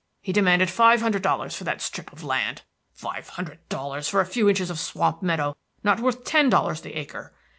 He demanded five hundred dollars for that strip of land! Five hundred dollars for a few inches of swamp meadow not worth ten dollars the acre!